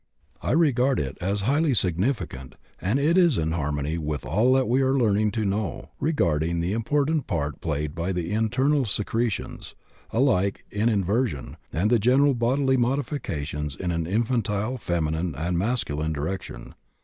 I regard it as highly significant, and it is in harmony with all that we are learning to know regarding the important part played by the internal secretions, alike in inversion and the general bodily modifications in an infantile, feminine, and masculine direction.